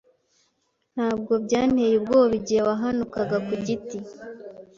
Ntabwo byanteye ubwoba igihe wahanukaga kugiti